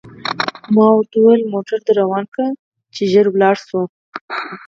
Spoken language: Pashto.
ما ورته وویل: موټر ته در روان کړه، چې ژر ولاړ شو.